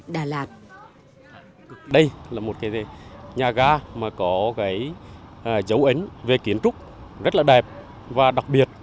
đây là một nhà gà có dấu ấn về kiến trúc rất đẹp và đặc biệt